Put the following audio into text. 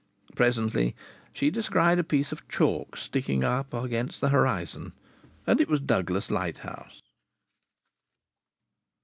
Presently she descried a piece of chalk sticking up against the horizon, and it was Douglas lighthouse.